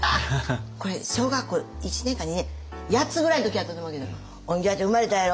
これ小学校１年か２年８つぐらいの時やったと思うけど「オンギャー！って生まれたやろ。